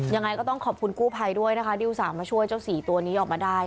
ยังไงก็ต้องขอบคุณกู้ภัยด้วยนะคะที่อุตส่าห์มาช่วยเจ้าสี่ตัวนี้ออกมาได้